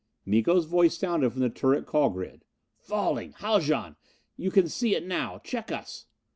Miko's voice sounded from the turret call grid: "Falling! Haljan, you can see it now! Check us!"